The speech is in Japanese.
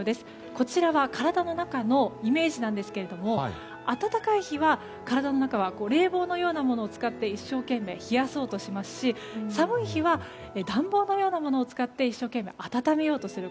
こちらは体の中のイメージなんですが暖かい日は体の中は冷房のようなものを使って一生懸命冷やそうとしますし寒い日は暖房のようなものを使って一生懸命温めようとする。